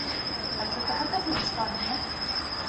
هل تتحدث الإسبانية ؟